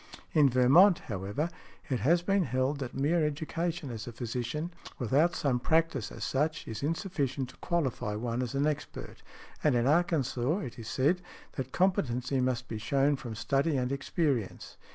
In Vermont, however, it has been held that mere education as a physician, without some practice as such, is insufficient to qualify one as an expert; and in Arkansas, it is said, that competency must be shewn from study and experience.